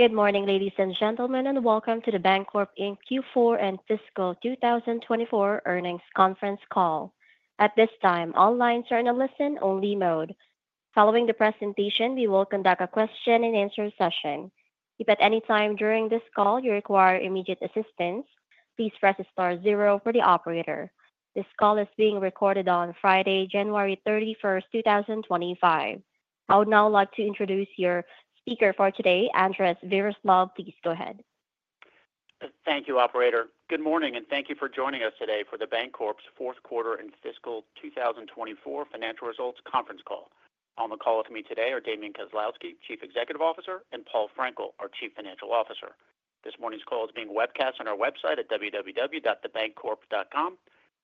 Good morning, ladies and gentlemen, and welcome to The Bancorp, Inc. Q4 and fiscal 2024 earnings conference call. At this time, all lines are in a listen-only mode. Following the presentation, we will conduct a question and answer session. If at any time during this call you require immediate assistance, please press star zero for the operator. This call is being recorded on Friday, January 31st, 2025. I would now like to introduce your speaker for today, Andres Viroslav. Please go ahead. Thank you, Operator. Good morning, and thank you for joining us today for The Bancorp's fourth quarter and fiscal 2024 financial results conference call. On the call with me today are Damian Kozlowski, Chief Executive Officer, and Paul Frenkiel, our Chief Financial Officer. This morning's call is being webcast on our website at www.thebancorp.com.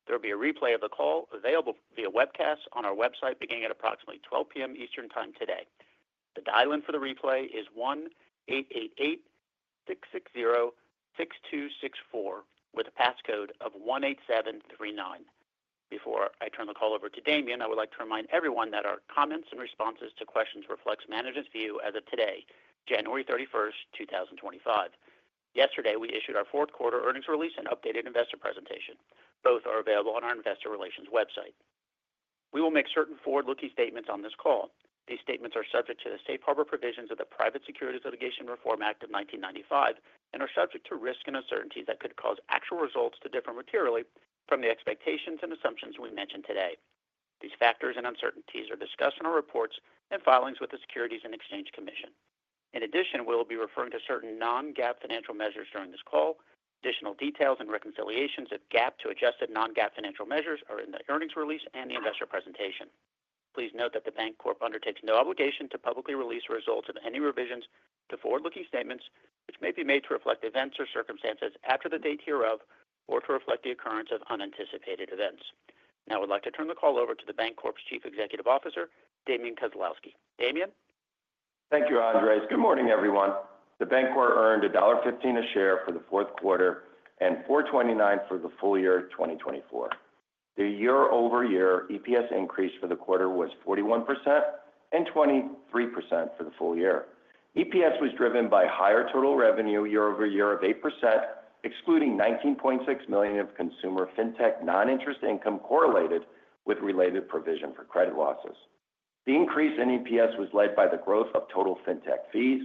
There will be a replay of the call available via webcast on our website beginning at approximately 12:00 P.M. Eastern Time today. The dial-in for the replay is 1-888-660-6264 with a passcode of 18739. Before I turn the call over to Damian, I would like to remind everyone that our comments and responses to questions reflect management's view as of today, January 31st, 2025. Yesterday, we issued our Fourth Quarter Earnings Release and updated investor presentation. Both are available on our investor relations website. We will make certain forward-looking statements on this call. These statements are subject to the Safe Harbor Provisions of the Private Securities Litigation Reform Act of 1995 and are subject to risk and uncertainties that could cause actual results to differ materially from the expectations and assumptions we mentioned today. These factors and uncertainties are discussed in our reports and filings with the Securities and Exchange Commission. In addition, we will be referring to certain non-GAAP financial measures during this call. Additional details and reconciliations of GAAP to adjusted non-GAAP financial measures are in the earnings release and the investor presentation. Please note that The Bancorp undertakes no obligation to publicly release results of any revisions to forward-looking statements which may be made to reflect events or circumstances after the date hereof or to reflect the occurrence of unanticipated events. Now, I would like to turn the call over to The Bancorp's Chief Executive Officer, Damian Kozlowski. Damian? Thank you, Andres. Good morning, everyone. The Bancorp earned $1.15 a share for the fourth quarter and $4.29 for the full year 2024. The year-over-year EPS increase for the quarter was 41% and 23% for the full year. EPS was driven by higher total revenue year-over-year of 8%, excluding $19.6 million of consumer Fintech non-interest income correlated with related provision for credit losses. The increase in EPS was led by the growth of total Fintech fees,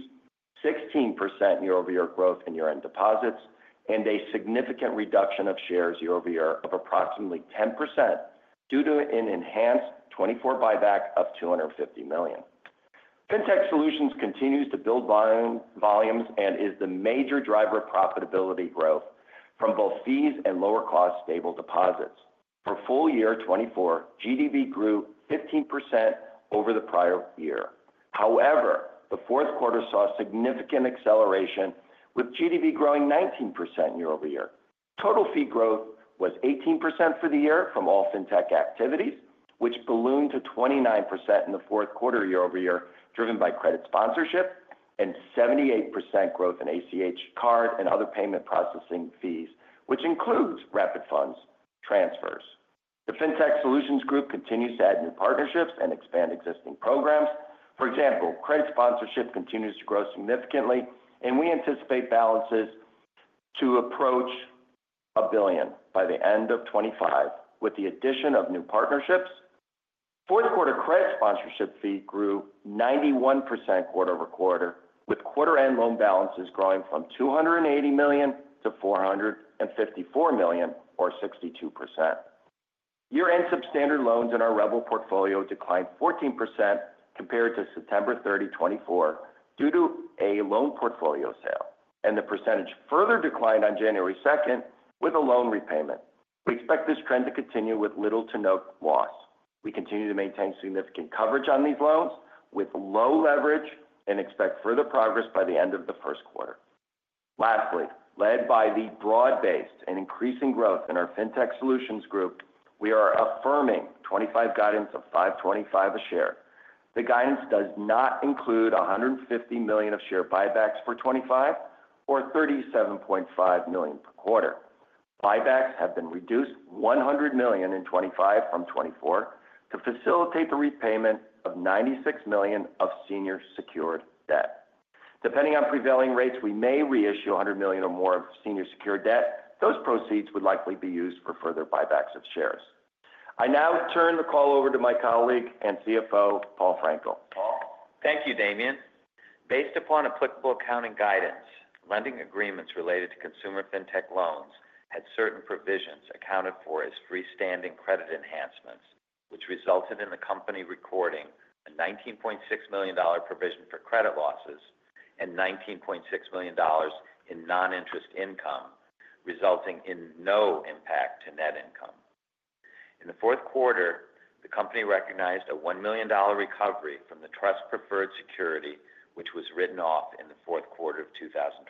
16% year-over-year growth in year-end deposits, and a significant reduction of shares year-over-year of approximately 10% due to an enhanced 2024 buyback of $250 million. Fintech Solutions continue to build volumes and are the major driver of profitability growth from both fees and lower-cost stable deposits. For full year 2024, GDV grew 15% over the prior year. However, the fourth quarter saw significant acceleration, with GDV growing 19% year-over-year. Total fee growth was 18% for the year from all Fintech activities, which ballooned to 29% in the fourth quarter year-over-year, driven by credit sponsorship and 78% growth in ACH card and other payment processing fees, which includes Rapid Funds transfers. The Fintech Solutions Group continues to add new partnerships and expand existing programs. For example, credit sponsorship continues to grow significantly, and we anticipate balances to approach $1 billion by the end of 2025 with the addition of new partnerships. Fourth quarter credit sponsorship fee grew 91% quarter-over-quarter, with quarter-end loan balances growing from $280 million-$454 million, or 62%. Year-end substandard loans in our Revel portfolio declined 14% compared to September 30, 2024, due to a loan portfolio sale, and the percentage further declined on January 2nd with a loan repayment. We expect this trend to continue with little to no loss. We continue to maintain significant coverage on these loans with low leverage and expect further progress by the end of the first quarter. Lastly, led by the broad-based and increasing growth in our Fintech Solutions Group, we are affirming 2025 guidance of $5.25 a share. The guidance does not include $150 million of share buybacks for 2025, or $37.5 million per quarter. Buybacks have been reduced $100 million in 2025 from 2024 to facilitate the repayment of $96 million of senior secured debt. Depending on prevailing rates, we may reissue $100 million or more of senior secured debt. Those proceeds would likely be used for further buybacks of shares. I now turn the call over to my colleague and CFO, Paul Frenkiel. Paul? Thank you, Damian. Based upon applicable accounting guidance, lending agreements related to consumer Fintech loans had certain provisions accounted for as freestanding credit enhancements, which resulted in the company recording a $19.6 million provision for credit losses and $19.6 million in non-interest income, resulting in no impact to net income. In the fourth quarter, the company recognized a $1 million recovery from the trust-preferred security, which was written off in the fourth quarter of 2023.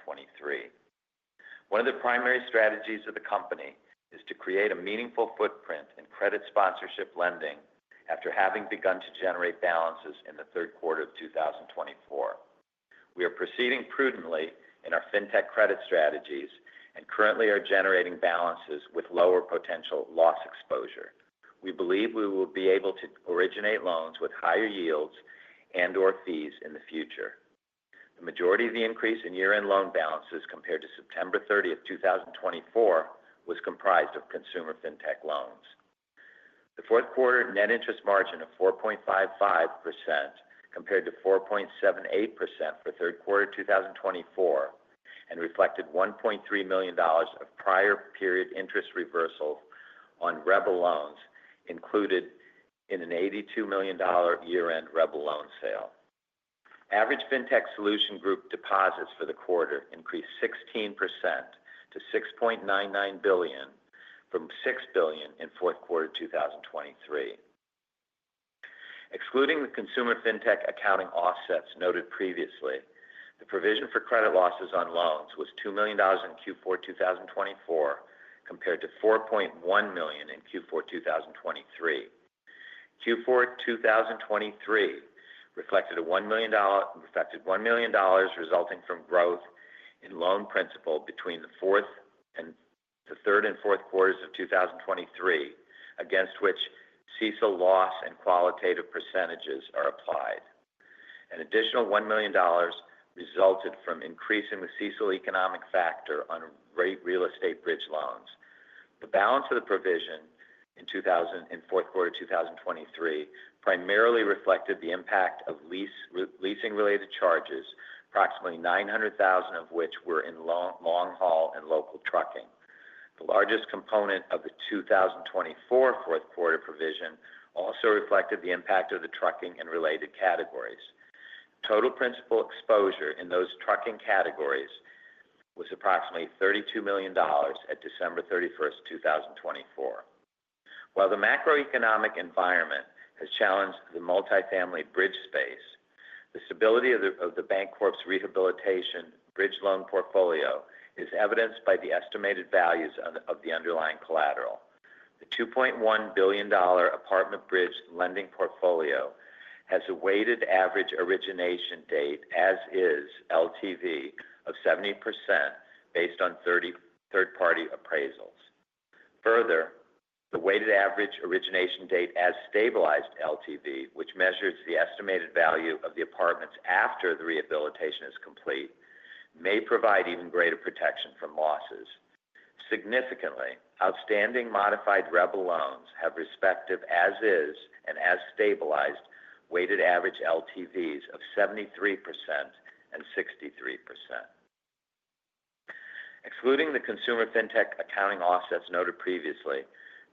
One of the primary strategies of the company is to create a meaningful footprint in credit sponsorship lending after having begun to generate balances in the third quarter of 2024. We are proceeding prudently in our Fintech credit strategies and currently are generating balances with lower potential loss exposure. We believe we will be able to originate loans with higher yields and/or fees in the future. The majority of the increase in year end loan balances compared to September 30th, 2024, was comprised of consumer Fintech loans. The fourth quarter net interest margin of 4.55% compared to 4.78% for third quarter 2024 and reflected $1.3 million of prior period interest reversals on Revel loans included in an $82 million year-end Revel loan sale. Average Fintech Solutions Group deposits for the quarter increased 16% to $6.99 billion from $6 billion in fourth quarter 2023. Excluding the consumer Fintech accounting offsets noted previously, the provision for credit losses on loans was $2 million in Q4 2024 compared to $4.1 million in Q4 2023. Q4 2023 reflected $1 million resulting from growth in loan principal between the third and fourth quarters of 2023, against which CECL loss and qualitative percentages are applied. An additional $1 million resulted from increasing the CECL economic factor on real estate bridge loans. The balance of the provision in fourth quarter 2023 primarily reflected the impact of leasing-related charges, approximately $900,000 of which were in long-haul and local trucking. The largest component of the 2024 fourth quarter provision also reflected the impact of the trucking and related categories. Total principal exposure in those trucking categories was approximately $32 million at December 31st, 2024. While the macroeconomic environment has challenged the multifamily bridge space, the stability of The Bancorp's rehabilitation bridge loan portfolio is evidenced by the estimated values of the underlying collateral. The $2.1 billion apartment bridge lending portfolio has a weighted average origination date as-is LTV of 70% based on third-party appraisals. Further, the weighted average origination date as-stabilized LTV, which measures the estimated value of the apartments after the rehabilitation is complete, may provide even greater protection from losses. Significantly, outstanding modified Revel loans have respective as-is and as-stabilized weighted average LTVs of 73% and 63%. Excluding the consumer Fintech accounting offsets noted previously,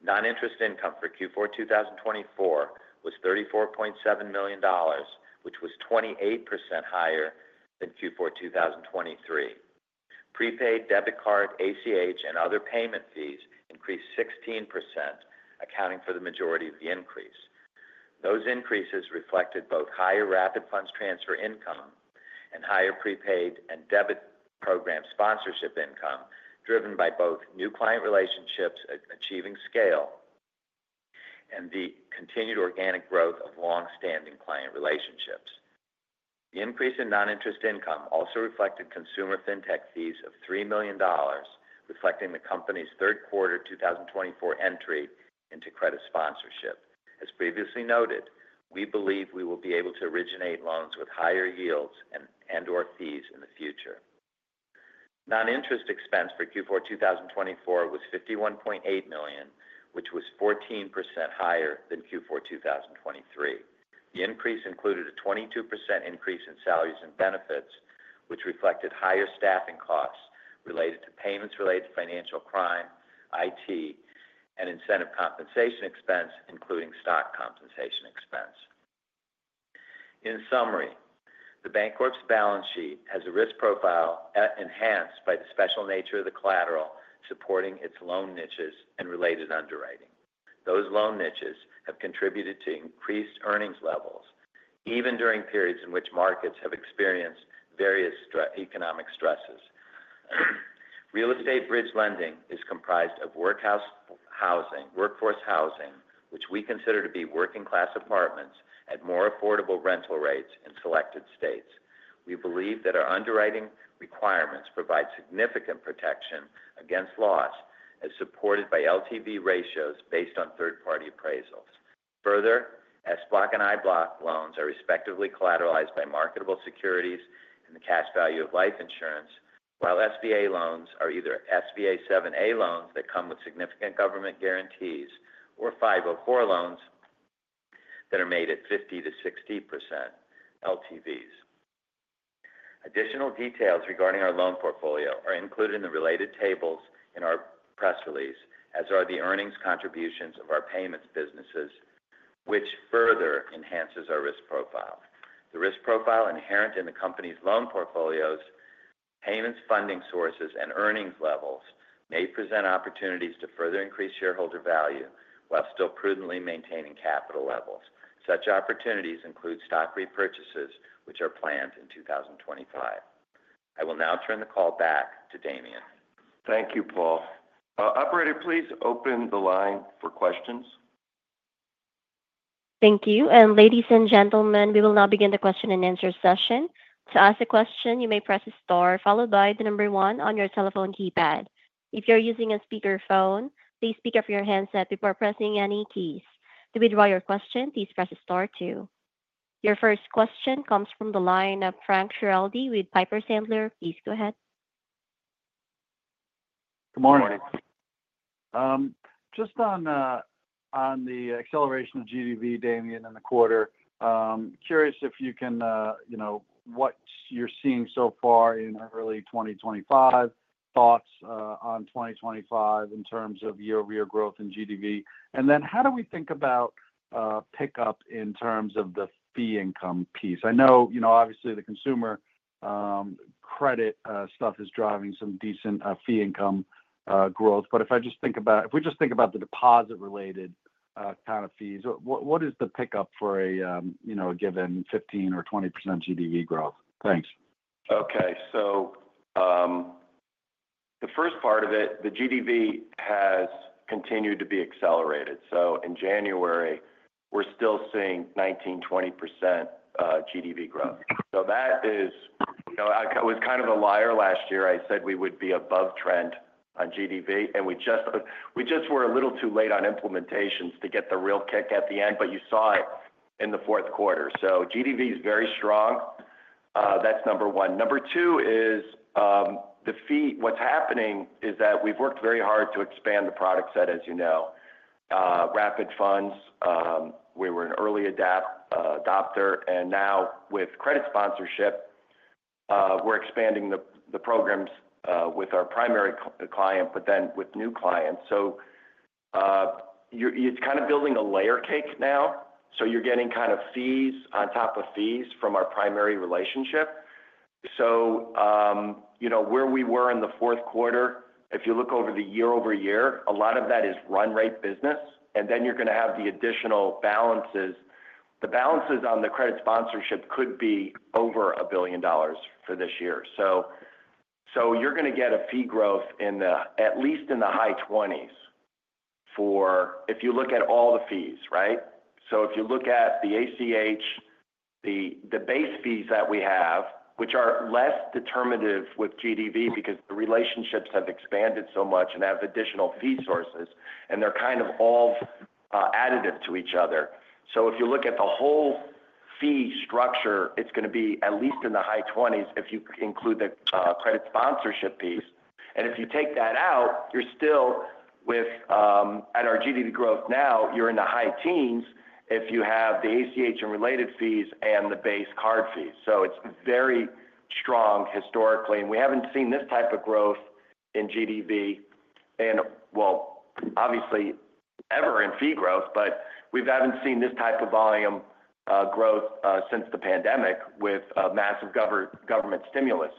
non-interest income for Q4 2024 was $34.7 million, which was 28% higher than Q4 2023. Prepaid debit card ACH and other payment fees increased 16%, accounting for the majority of the increase. Those increases reflected both higher Rapid Funds transfer income and higher prepaid and debit program sponsorship income, driven by both new client relationships achieving scale and the continued organic growth of long-standing client relationships. The increase in non-interest income also reflected consumer Fintech fees of $3 million, reflecting the company's third quarter 2024 entry into credit sponsorship. As previously noted, we believe we will be able to originate loans with higher yields and/or fees in the future. Non-interest expense for Q4 2024 was $51.8 million, which was 14% higher than Q4 2023. The increase included a 22% increase in salaries and benefits, which reflected higher staffing costs related to payments related to financial crime, IT, and incentive compensation expense, including stock compensation expense. In summary, The Bancorp's balance sheet has a risk profile enhanced by the special nature of the collateral supporting its loan niches and related underwriting. Those loan niches have contributed to increased earnings levels, even during periods in which markets have experienced various economic stresses. Real estate bridge lending is comprised of workforce housing, which we consider to be working-class apartments at more affordable rental rates in selected states. We believe that our underwriting requirements provide significant protection against loss as supported by LTV ratios based on third-party appraisals. Further, SBLOC and IBLOC loans are respectively collateralized by marketable securities and the cash value of life insurance, while SBA loans are either SBA 7A loans that come with significant government guarantees or 504 loans that are made at 50%-60% LTVs. Additional details regarding our loan portfolio are included in the related tables in our press release, as are the earnings contributions of our payments businesses, which further enhances our risk profile. The risk profile inherent in the company's loan portfolios, payments funding sources, and earnings levels may present opportunities to further increase shareholder value while still prudently maintaining capital levels. Such opportunities include stock repurchases, which are planned in 2025. I will now turn the call back to Damian. Thank you, Paul. Operator, please open the line for questions. Thank you. And ladies and gentlemen, we will now begin the question and answer session. To ask a question, you may press the star followed by the number one on your telephone keypad. If you're using a speakerphone, please pick up your handset before pressing any keys. To withdraw your question, please press star two. Your first question comes from the line of Frank Schiraldi with Piper Sandler. Please go ahead. Good morning. Just on the acceleration of GDV, Damian, in the quarter, curious if you can what you're seeing so far in early 2025, thoughts on 2025 in terms of year-over-year growth in GDV. And then how do we think about pickup in terms of the fee income piece? I know, obviously, the consumer credit stuff is driving some decent fee income growth, but if I just think about the deposit-related kind of fees, what is the pickup for a given 15%-20% GDV growth? Thanks. Okay. So the first part of it, the GDV has continued to be accelerated. So in January, we're still seeing 19%, 20% GDV growth. So that is, I was kind of a liar last year. I said we would be above trend on GDV, and we just were a little too late on implementations to get the real kick at the end, but you saw it in the fourth quarter. So GDV is very strong. That's number one. Number two is the fee. What's happening is that we've worked very hard to expand the product set, as you know. Rapid Funds, we were an early adopter, and now with credit sponsorship, we're expanding the programs with our primary client, but then with new clients. So it's kind of building a layer cake now. So you're getting kind of fees on top of fees from our primary relationship. So, where we were in the fourth quarter, if you look over the year-over-year, a lot of that is run-rate business, and then you're going to have the additional balances. The balances on the credit sponsorship could be over $1 billion for this year. So you're going to get a fee growth at least in the high 20s for if you look at all the fees, right? So if you look at the ACH, the base fees that we have, which are less determinative with GDV because the relationships have expanded so much and have additional fee sources, and they're kind of all additive to each other. So if you look at the whole fee structure, it's going to be at least in the high 20s if you include the credit sponsorship piece. And if you take that out, you're still at our GDV growth now. You're in the high-teens if you have the ACH and related fees and the base card fees. So it's very strong historically. And we haven't seen this type of growth in GDV, and well, obviously, ever in fee growth, but we haven't seen this type of volume growth since the pandemic with massive government stimulus.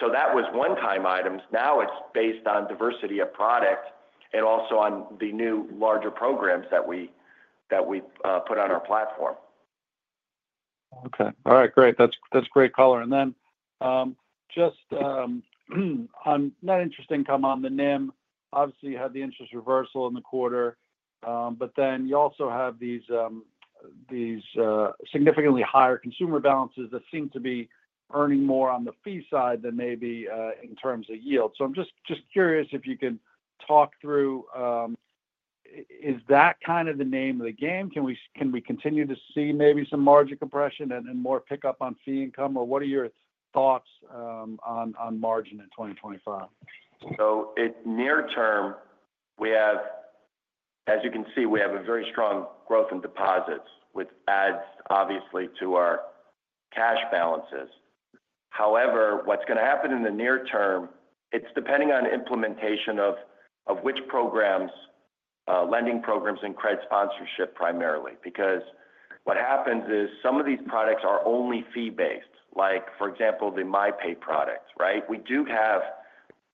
So that was one-time items. Now it's based on diversity of product and also on the new larger programs that we put on our platform. Okay. All right. Great. That's great color. And then just on non-interest income on the NIM, obviously you had the interest reversal in the quarter, but then you also have these significantly higher consumer balances that seem to be earning more on the fee side than maybe in terms of yield. So I'm just curious if you can talk through, is that kind of the name of the game? Can we continue to see maybe some margin compression and more pickup on fee income, or what are your thoughts on margin in 2025? So near term, as you can see, we have a very strong growth in deposits, which adds, obviously, to our cash balances. However, what's going to happen in the near term, it's depending on implementation of which programs, lending programs and credit sponsorship primarily, because what happens is some of these products are only fee-based, like, for example, the MyPay product, right? We do have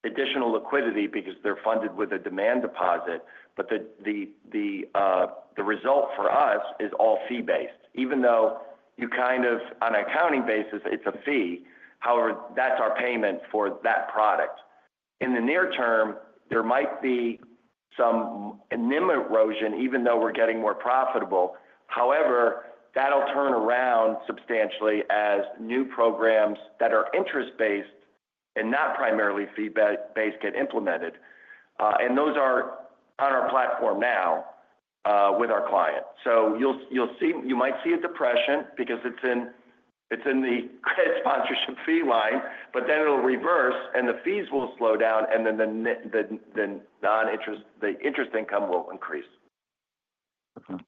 additional liquidity because they're funded with a demand deposit, but the result for us is all fee-based, even though you kind of, on an accounting basis, it's a fee. However, that's our payment for that product. In the near term, there might be some NIM erosion, even though we're getting more profitable. However, that'll turn around substantially as new programs that are interest-based and not primarily fee-based get implemented. And those are on our platform now with our client. So you might see a depression because it's in the credit sponsorship fee line, but then it'll reverse and the fees will slow down, and then the interest income will increase. Okay.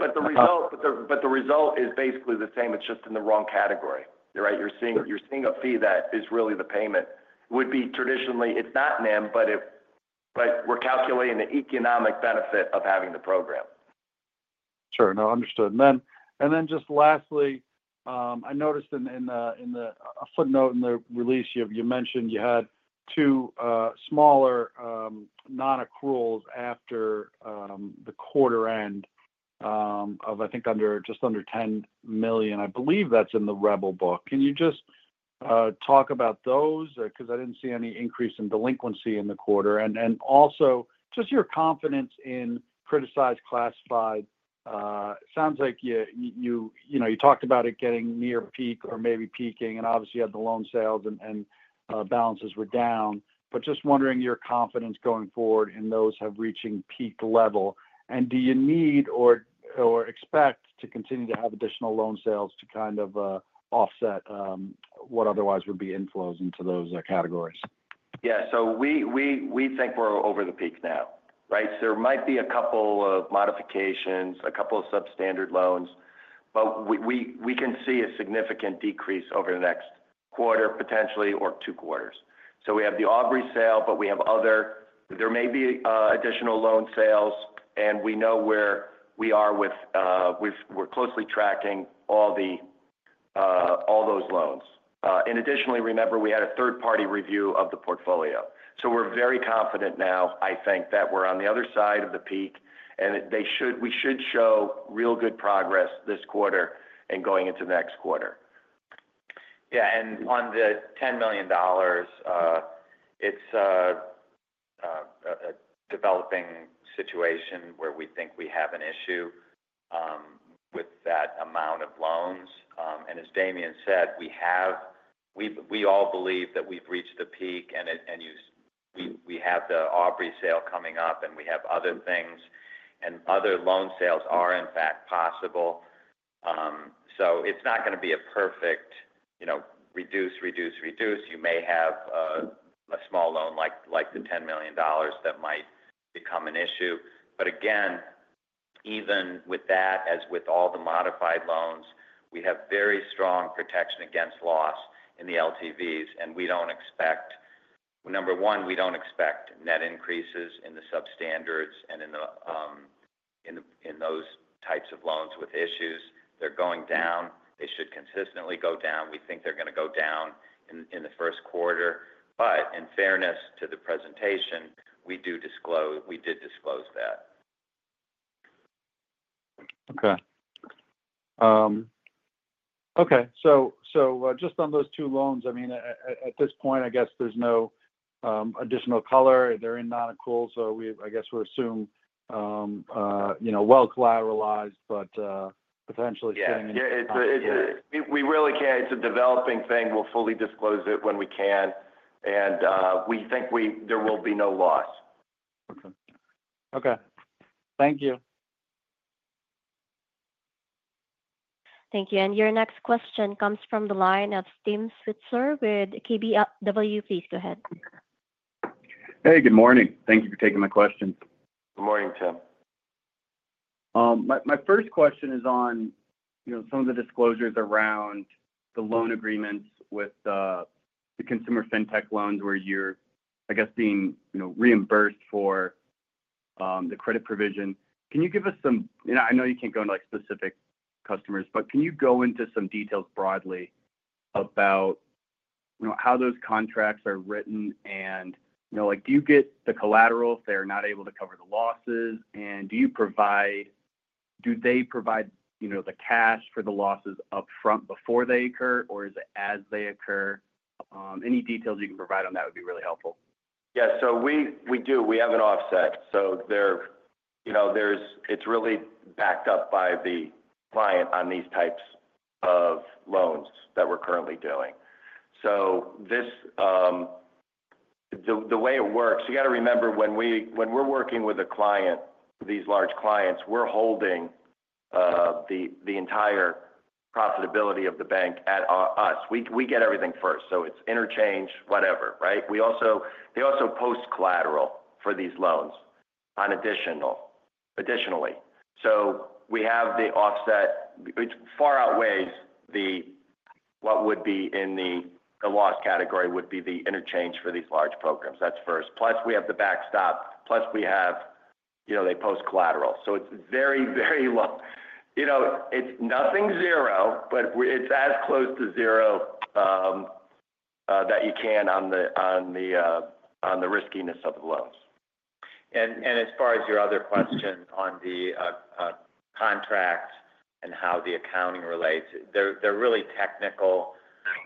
But the result is basically the same. It's just in the wrong category, right? You're seeing a fee that is really the payment. It would be traditionally, it's not NIM, but we're calculating the economic benefit of having the program. Sure. No, understood. And then just lastly, I noticed in the footnote in the release, you mentioned you had two smaller non-accruals after the quarter end of, I think, just under $10 million. I believe that's in the Revel book. Can you just talk about those? Because I didn't see any increase in delinquency in the quarter. And also, just your confidence in criticized classified, it sounds like you talked about it getting near peak or maybe peaking, and obviously, you had the loan sales and balances were down. But just wondering your confidence going forward in those have reaching peak level. And do you need or expect to continue to have additional loan sales to kind of offset what otherwise would be inflows into those categories? Yeah. So we think we're over the peak now, right? So there might be a couple of modifications, a couple of substandard loans, but we can see a significant decrease over the next quarter, potentially, or two quarters. So we have The Aubrey sale, but we have other. There may be additional loan sales, and we know where we are with. We're closely tracking all those loans. And additionally, remember, we had a third-party review of the portfolio. So we're very confident now, I think, that we're on the other side of the peak, and we should show real good progress this quarter and going into the next quarter. Yeah. And on the $10 million, it's a developing situation where we think we have an issue with that amount of loans. And as Damian said, we all believe that we've reached the peak, and we have the Aubrey sale coming up, and we have other things, and other loan sales are, in fact, possible. So it's not going to be a perfect reduce, reduce, reduce. You may have a small loan like the $10 million that might become an issue. But again, even with that, as with all the modified loans, we have very strong protection against loss in the LTVs, and we don't expect number one, we don't expect net increases in the substandards and in those types of loans with issues. They're going down. They should consistently go down. We think they're going to go down in the first quarter. But in fairness to the presentation, we did disclose that. Okay. So just on those two loans, I mean, at this point, I guess there's no additional color. They're in non-accrual, so I guess we'll assume well collateralized, but potentially sitting in. Yeah. We really can't. It's a developing thing. We'll fully disclose it when we can, and we think there will be no loss. Okay. Okay. Thank you. Thank you. And your next question comes from the line of Tim Switzer with KBW. Please go ahead. Hey, good morning. Thank you for taking my question. Good morning, Tim. My first question is on some of the disclosures around the loan agreements with the consumer Fintech loans where you're, I guess, being reimbursed for the credit provision. Can you give us some, and I know you can't go into specific customers, but can you go into some details broadly about how those contracts are written? And do you get the collateral if they're not able to cover the losses? And do they provide the cash for the losses upfront before they occur, or is it as they occur? Any details you can provide on that would be really helpful? Yeah. So we do. We have an offset. So it's really backed up by the client on these types of loans that we're currently doing. So the way it works, you got to remember when we're working with a client, these large clients, we're holding the entire profitability of the bank at us. We get everything first. So it's interchange, whatever, right? They also post collateral for these loans additionally. So we have the offset. It far outweighs what would be in the loss category would be the interchange for these large programs. That's first. Plus, we have the backstop. Plus, we have they post collateral. So it's very, very low. It's nothing zero, but it's as close to zero that you can on the riskiness of the loans. As far as your other question on the contract and how the accounting relates, there's really technical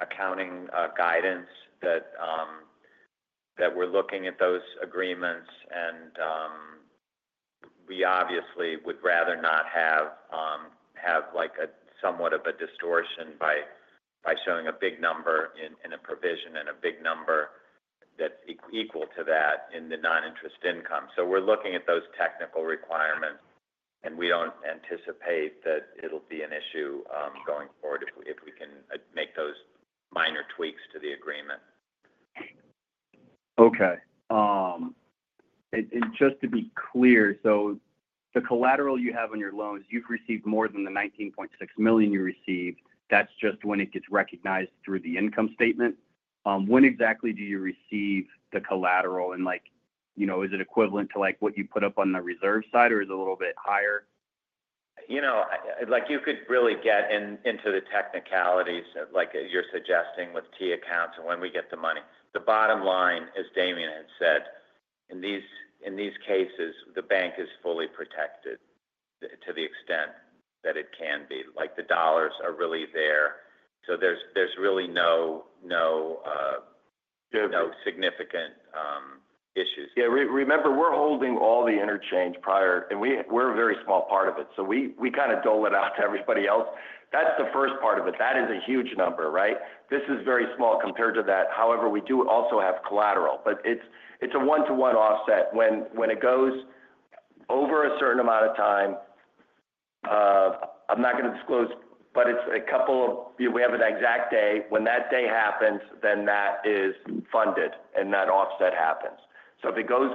accounting guidance that we're looking at those agreements. We obviously would rather not have somewhat of a distortion by showing a big number in a provision and a big number that's equal to that in the non-interest income. We're looking at those technical requirements, and we don't anticipate that it'll be an issue going forward if we can make those minor tweaks to the agreement. Okay. And just to be clear, so the collateral you have on your loans, you've received more than the $19.6 million you received. That's just when it gets recognized through the income statement. When exactly do you receive the collateral? And is it equivalent to what you put up on the reserve side, or is it a little bit higher? You could really get into the technicalities, like you're suggesting with T-accounts and when we get the money. The bottom line, as Damian had said, in these cases, the bank is fully protected to the extent that it can be. The dollars are really there. So there's really no significant issues. Yeah. Remember, we're holding all the interchange prior, and we're a very small part of it. So we kind of dole it out to everybody else. That's the first part of it. That is a huge number, right? This is very small compared to that. However, we do also have collateral. But it's a one-to-one offset. When it goes over a certain amount of time, I'm not going to disclose, but it's a couple of we have an exact day. When that day happens, then that is funded and that offset happens. So if it goes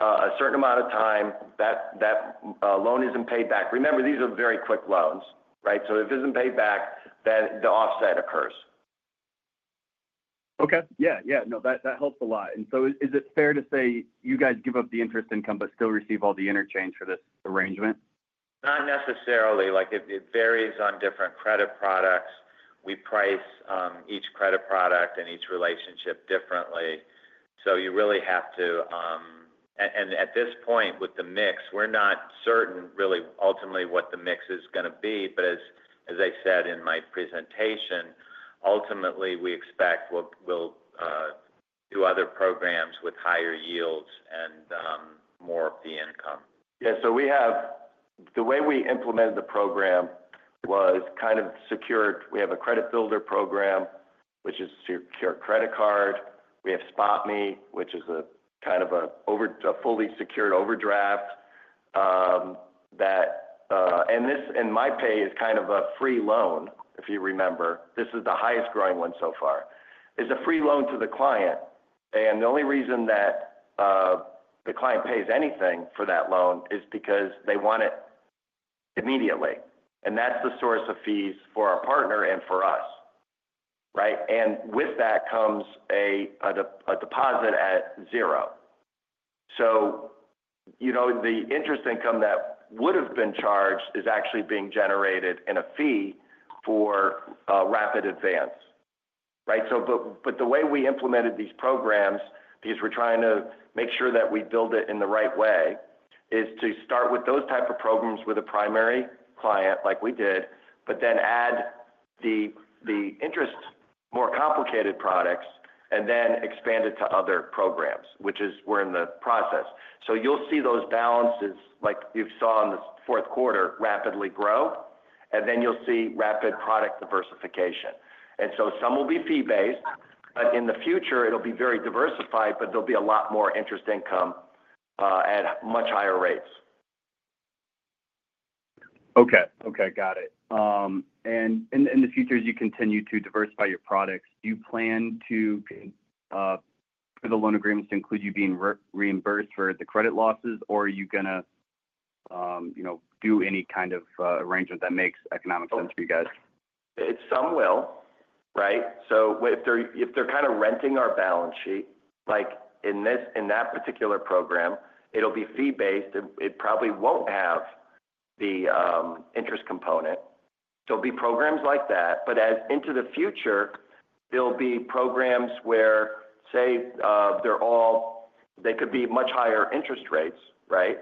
a certain amount of time, that loan isn't paid back. Remember, these are very quick loans, right? So if it isn't paid back, then the offset occurs. Okay. Yeah. Yeah. No, that helps a lot. And so is it fair to say you guys give up the interest income but still receive all the interchange for this arrangement? Not necessarily. It varies on different credit products. We price each credit product and each relationship differently. So you really have to, and at this point, with the mix, we're not certain really ultimately what the mix is going to be, but as I said in my presentation, ultimately, we expect we'll do other programs with higher yields and more of the income. Yeah, so the way we implemented the program was kind of secured. We have a Credit Builder program, which is a secured credit card. We have SpotMe, which is kind of a fully secured overdraft, and MyPay is kind of a free loan, if you remember. This is the highest growing one so far. It's a free loan to the client, and the only reason that the client pays anything for that loan is because they want it immediately. And that's the source of fees for our partner and for us, right? And with that comes a deposit at zero. So the interest income that would have been charged is actually being generated in a fee for RapidAdvance, right? But the way we implemented these programs, because we're trying to make sure that we build it in the right way, is to start with those types of programs with a primary client like we did, but then add the interest more complicated products and then expand it to other programs, which is we're in the process. So you'll see those balances, like you saw in the fourth quarter, rapidly grow. And then you'll see Rapid product diversification. And so some will be fee-based, but in the future, it'll be very diversified, but there'll be a lot more interest income at much higher rates. Okay. Okay. Got it. And in the future, as you continue to diversify your products, do you plan for the loan agreements to include you being reimbursed for the credit losses, or are you going to do any kind of arrangement that makes economic sense for you guys? It's somewhat, right? So if they're kind of renting our balance sheet, in that particular program, it'll be fee-based. It probably won't have the interest component. There'll be programs like that. But into the future, there'll be programs where, say, they could be much higher interest rates, right?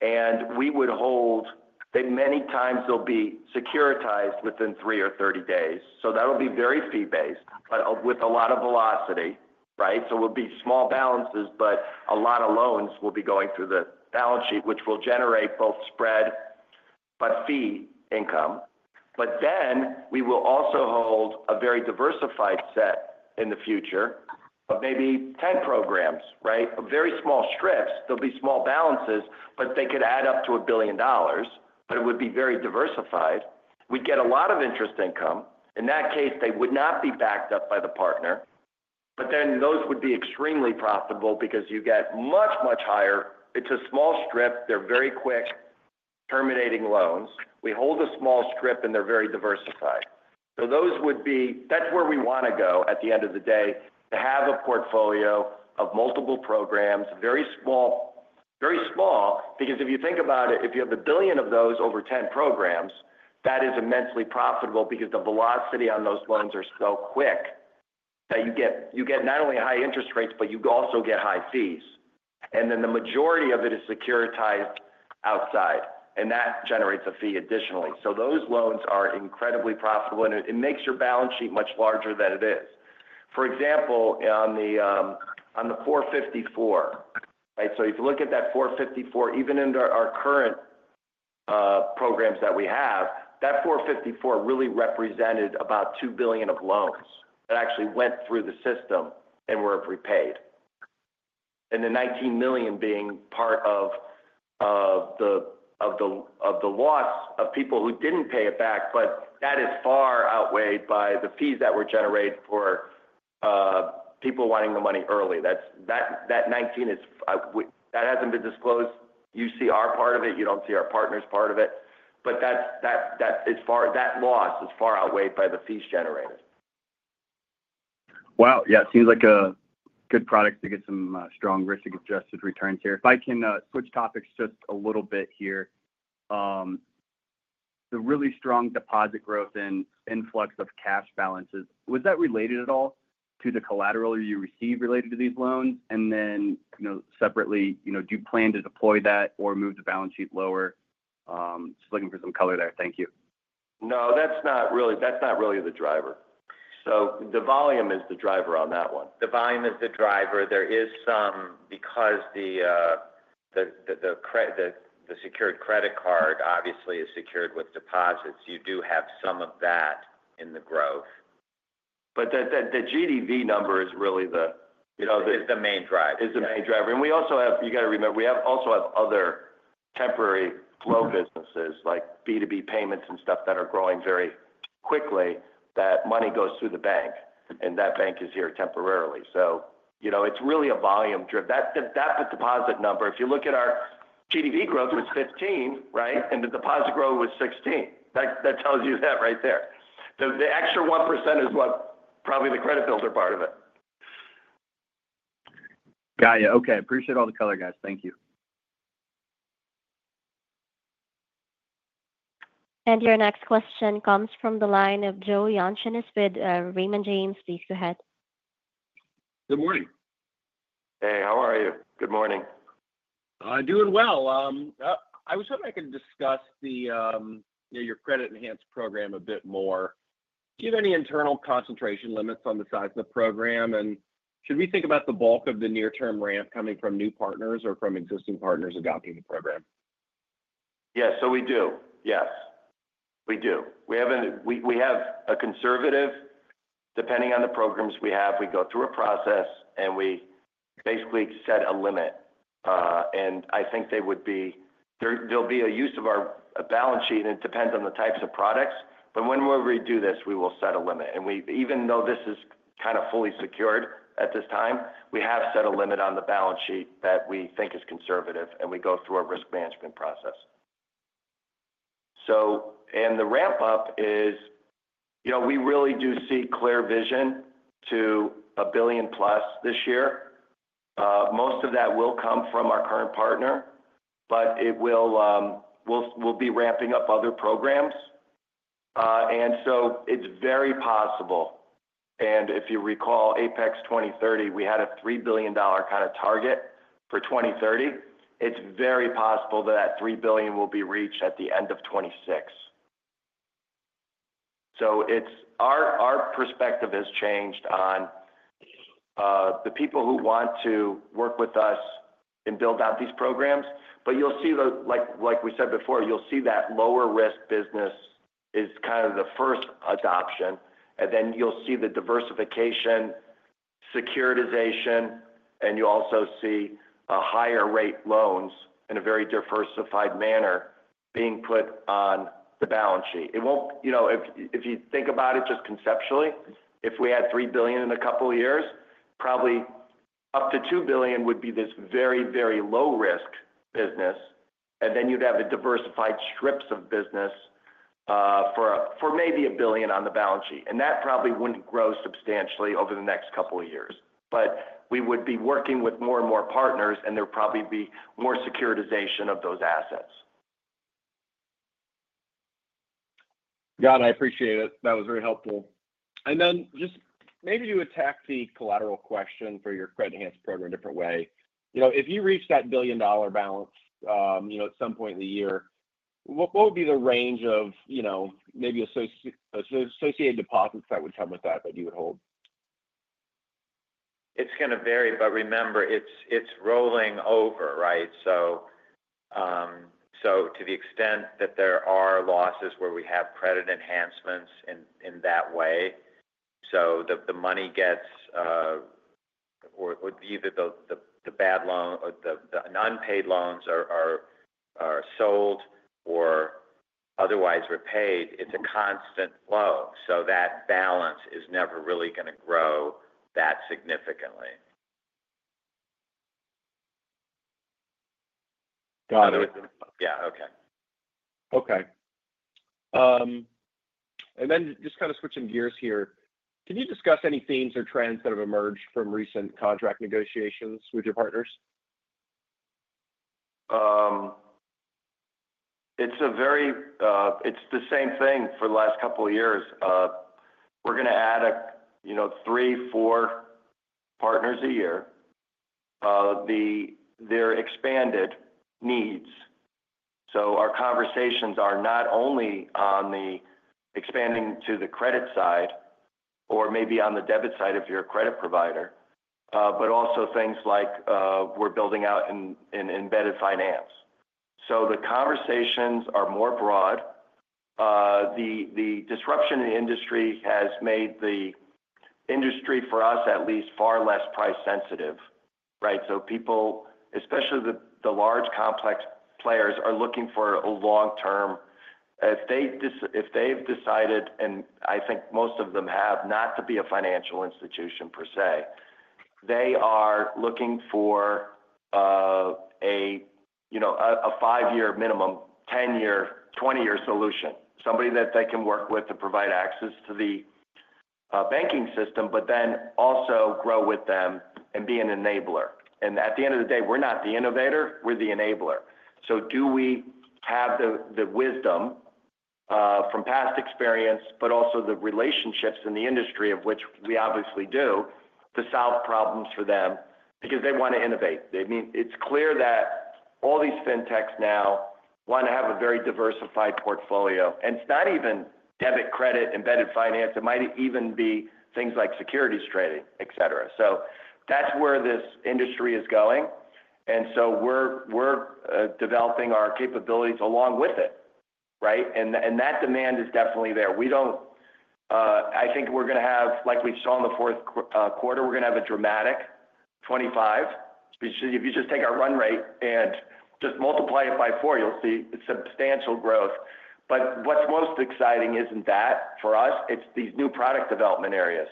And we would hold, many times, they'll be securitized within 30 or 60 days. So that'll be very fee-based with a lot of velocity, right? So it'll be small balances, but a lot of loans will be going through the balance sheet, which will generate both spread but fee income. But then we will also hold a very diversified set in the future of maybe 10 programs, right? Very small strips. There'll be small balances, but they could add up to $1 billion, but it would be very diversified. We'd get a lot of interest income. In that case, they would not be backed up by the partner. But then those would be extremely profitable because you get much, much higher. It's a small strip. They're very quick, terminating loans. We hold a small strip, and they're very diversified. So that's where we want to go at the end of the day, to have a portfolio of multiple programs, very small. Very small because if you think about it, if you have a billion of those over 10 programs, that is immensely profitable because the velocity on those loans is so quick that you get not only high interest rates, but you also get high fees. And then the majority of it is securitized outside, and that generates a fee additionally. So those loans are incredibly profitable, and it makes your balance sheet much larger than it is. For example, on the 454, right? So if you look at that 454, even under our current programs that we have, that 454 really represented about $2 billion of loans that actually went through the system and were repaid. And the $19 million being part of the loss of people who didn't pay it back, but that is far outweighed by the fees that were generated for people wanting the money early. That 19, that hasn't been disclosed. You see our part of it. You don't see our partner's part of it. But that loss is far outweighed by the fees generated. Wow. Yeah. It seems like a good product to get some strong risk-adjusted returns here. If I can switch topics just a little bit here, the really strong deposit growth and influx of cash balances, was that related at all to the collateral you receive related to these loans? And then separately, do you plan to deploy that or move the balance sheet lower? Just looking for some color there. Thank you. No, that's not really the driver. So the volume is the driver on that one. The volume is the driver. There is some because the secured credit card obviously is secured with deposits. You do have some of that in the growth. But the GDV number is really the main driver. It's the main driver. And we also have, you got to remember, we also have other temporary flow businesses like B2B payments and stuff that are growing very quickly that money goes through the bank, and that balance is here temporarily. So it's really a volume driven. That deposit number, if you look at our GDV growth, it was 15, right? And the deposit growth was 16. That tells you that right there. The extra 1% is probably the credit builder part of it. Got you. Okay. Appreciate all the color, guys. Thank you. Your next question comes from the line of Joe Yanchunis with Raymond James. Please go ahead. Good morning. Hey, how are you? Good morning. Doing well. I was hoping I could discuss your credit-enhanced program a bit more. Do you have any internal concentration limits on the size of the program? And should we think about the bulk of the near-term ramp coming from new partners or from existing partners adopting the program? Yeah. So we do. Yes. We do. We have a conservative approach. Depending on the programs we have, we go through a process, and we basically set a limit. I think there'll be a use of our balance sheet, and it depends on the types of products. But when we redo this, we will set a limit. Even though this is kind of fully secured at this time, we have set a limit on the balance sheet that we think is conservative, and we go through a risk management process. The ramp-up is we really do see clear vision to a $1 billion+ this year. Most of that will come from our current partner, but we'll be ramping up other programs. So it's very possible. If you recall, Apex 2030, we had a $3 billion kind of target for 2030. It's very possible that that $3 billion will be reached at the end of 2026, so our perspective has changed on the people who want to work with us and build out these programs, but like we said before, you'll see that lower-risk business is kind of the first adoption, and then you'll see the diversification, securitization, and you'll also see higher-rate loans in a very diversified manner being put on the balance sheet. If you think about it just conceptually, if we had $3 billion in a couple of years, probably up to $2 billion would be this very, very low-risk business, and then you'd have a diversified strips of business for maybe $1 billion on the balance sheet, and that probably wouldn't grow substantially over the next couple of years. But we would be working with more and more partners, and there'd probably be more securitization of those assets. Got it. I appreciate it. That was very helpful. And then just maybe to attack the collateral question for your credit-enhanced program in a different way, if you reach that billion-dollar balance at some point in the year, what would be the range of maybe associated deposits that would come with that that you would hold? It's going to vary. But remember, it's rolling over, right? So to the extent that there are losses where we have credit enhancements in that way, so the money gets either the bad loan or the unpaid loans are sold or otherwise repaid, it's a constant flow. So that balance is never really going to grow that significantly. Got it. Yeah. Okay. Okay, and then just kind of switching gears here, can you discuss any themes or trends that have emerged from recent contract negotiations with your partners? It's the same thing for the last couple of years. We're going to add three, four partners a year. Their expanded needs, so our conversations are not only on the expanding to the credit side or maybe on the debit side of your credit provider, but also things like we're building out embedded finance, so the conversations are more broad. The disruption in the industry has made the industry for us at least far less price-sensitive, right, so people, especially the large complex players, are looking for a long-term. If they've decided, and I think most of them have, not to be a financial institution per se, they are looking for a five-year minimum, 10-year, 20-year solution. Somebody that they can work with to provide access to the banking system, but then also grow with them and be an enabler. And at the end of the day, we're not the innovator. We're the enabler. So do we have the wisdom from past experience, but also the relationships in the industry of which we obviously do to solve problems for them because they want to innovate? I mean, it's clear that all these Fintechs now want to have a very diversified portfolio. And it's not even debit, credit, embedded finance. It might even be things like securities trading, etc. So that's where this industry is going. And so we're developing our capabilities along with it, right? And that demand is definitely there. I think we're going to have, like we saw in the fourth quarter, we're going to have a dramatic 2025. If you just take our run-rate and just multiply it by four, you'll see substantial growth. But what's most exciting isn't that for us. It's these new product development areas.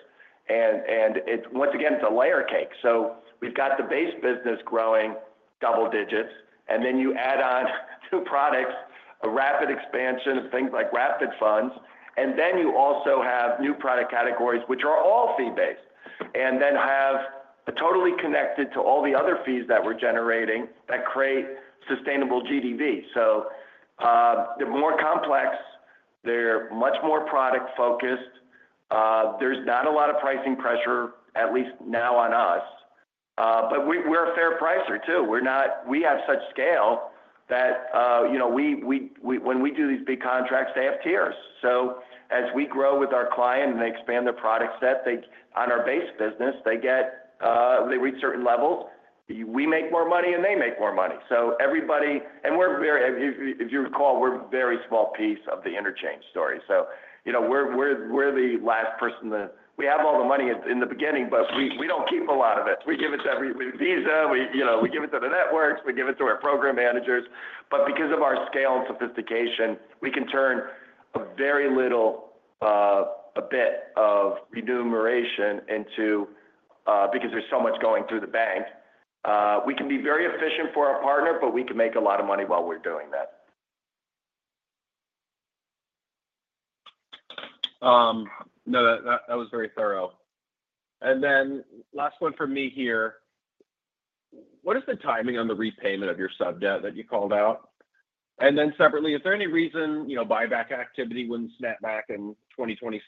And once again, it's a layer cake. So we've got the base business growing double-digits. And then you add on new products, a rapid expansion of things like Rapid Funds. And then you also have new product categories, which are all fee-based, and they're totally connected to all the other fees that we're generating that create sustainable GDV. So they're more complex. They're much more product-focused. There's not a lot of pricing pressure, at least now on us. But we're a fair pricer, too. We have such scale that when we do these big contracts, they have tiers. So as we grow with our client and they expand their product set on our base business, they reach certain levels. We make more money, and they make more money. And if you recall, we're a very small piece of the interchange story. So we're the last person. We have all the money in the beginning, but we don't keep a lot of it. We give it to every Visa. We give it to the networks. We give it to our program managers. But because of our scale and sophistication, we can turn a very little bit of remuneration into, because there's so much going through the bank. We can be very efficient for our partner, but we can make a lot of money while we're doing that. No, that was very thorough. And then last one for me here. What is the timing on the repayment of your sub-debt that you called out? And then separately, is there any reason buyback activity wouldn't snap back in 2026?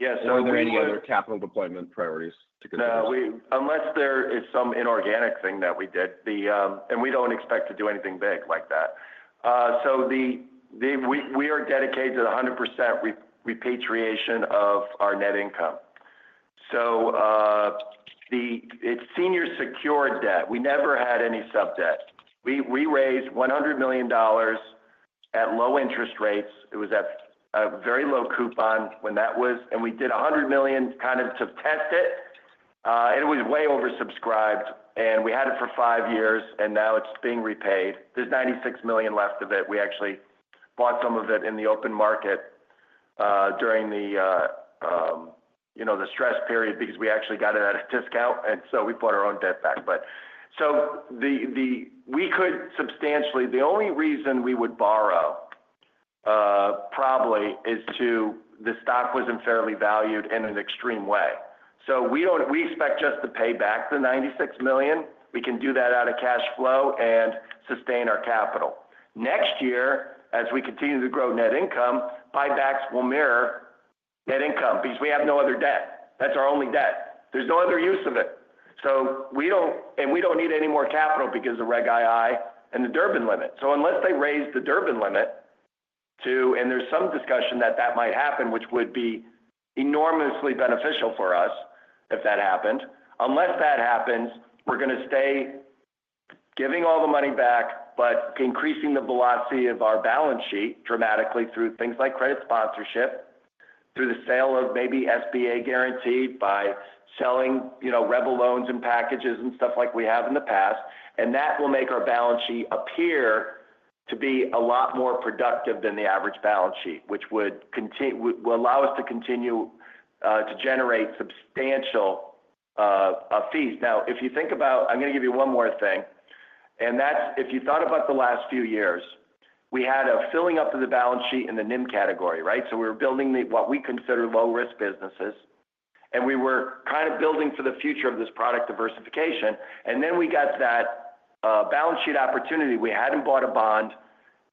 Yes. Are there any other capital deployment priorities to consider? No. Unless there is some inorganic thing that we did and we don't expect to do anything big like that. We are dedicated to 100% repatriation of our net income. It's senior secured debt. We never had any sub-debt. We raised $100 million at low interest rates. It was at a very low coupon when that was. We did $100 million kind of to test it. It was way oversubscribed. We had it for five years, and now it's being repaid. There's $96 million left of it. We actually bought some of it in the open market during the stress period because we actually got it at a discount. We bought our own debt back. We could substantially the only reason we would borrow probably is the stock wasn't fairly valued in an extreme way. We expect just to pay back the $96 million. We can do that out of cash flow and sustain our capital. Next year, as we continue to grow net income, buybacks will mirror net income because we have no other debt. That's our only debt. There's no other use of it. We don't need any more capital because of Reg II and the Durbin limit. Unless they raise the Durbin limit, and there's some discussion that that might happen, which would be enormously beneficial for us if that happened, unless that happens, we're going to stay giving all the money back, but increasing the velocity of our balance sheet dramatically through things like credit sponsorship, through the sale of maybe SBA guaranteed by selling Revel loans and packages and stuff like we have in the past. And that will make our balance sheet appear to be a lot more productive than the average balance sheet, which will allow us to continue to generate substantial fees. Now, if you think about I'm going to give you one more thing. And if you thought about the last few years, we had a filling up of the balance sheet in the NIM category, right? So we were building what we consider low-risk businesses. And we were kind of building for the future of this product diversification. And then we got that balance sheet opportunity. We hadn't bought a bond,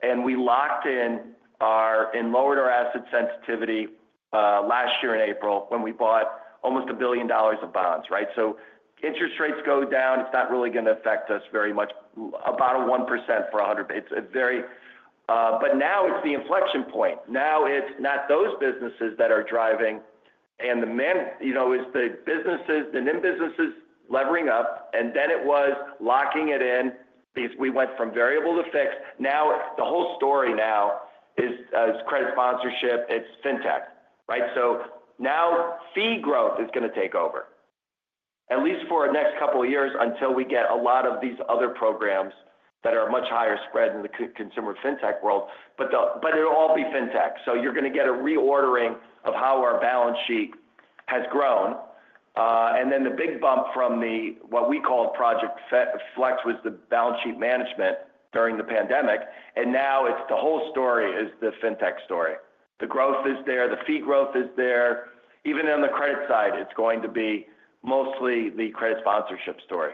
and we locked in and lowered our asset sensitivity last year in April when we bought almost $1 billion of bonds, right? So interest rates go down. It's not really going to affect us very much, about a 1% for 100. But now it's the inflection point. Now it's not those businesses that are driving. And the NIM business is levering up. And then it was locking it in because we went from variable to fixed. Now the whole story now is credit sponsorship. It's Fintech, right? So now fee growth is going to take over, at least for the next couple of years until we get a lot of these other programs that are much higher spread in the consumer Fintech world. But it'll all be Fintech. So you're going to get a reordering of how our balance sheet has grown. And then the big bump from what we called Project Flex was the balance sheet management during the pandemic. And now the whole story is the Fintech story. The growth is there. The fee growth is there. Even on the credit side, it's going to be mostly the credit sponsorship story.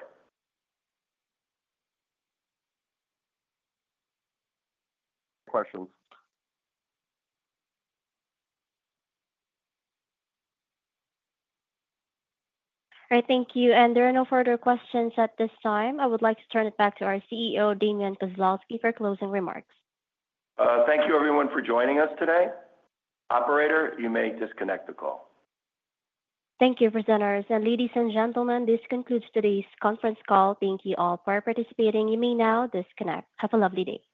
Questions. All right. Thank you. There are no further questions at this time. I would like to turn it back to our CEO, Damian Kozlowski, for closing remarks. Thank you, everyone, for joining us today. Operator, you may disconnect the call. Thank you, presenters. And ladies and gentlemen, this concludes today's conference call. Thank you all for participating. You may now disconnect. Have a lovely day.